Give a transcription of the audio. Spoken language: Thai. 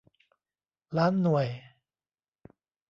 ล้านหน่วย